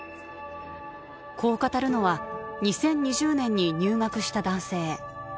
こう語るのは２０２０年に入学した男性。